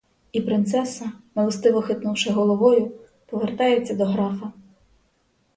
І принцеса, милостиво хитнувши головою, повертається до графа.